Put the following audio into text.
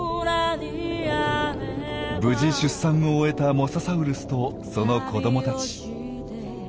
無事出産を終えたモササウルスとその子どもたち。